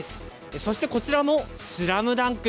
そしてこちらもスラムダンク。